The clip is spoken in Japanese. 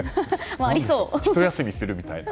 ひと休みする、みたいな。